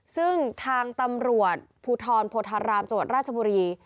ซึ่งทางตำรวจภูทรโพธารามจังหวัดราชบุรี